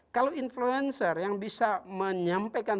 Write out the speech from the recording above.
kalau influencer yang bisa menyampaikan